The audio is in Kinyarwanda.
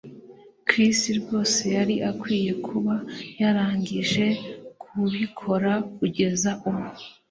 Chris rwose yari akwiye kuba yarangije kubikora kugeza ubu